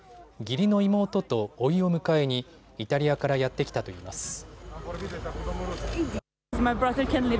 義理の妹とおいを迎えにイタリアからやって来たといいます。